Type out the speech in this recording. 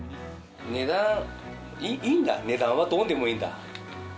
値段、いいんだ、値段はどうでもいいんだ。